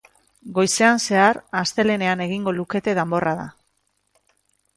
Goizean zehar, astelehenean egingo lukete danborrada.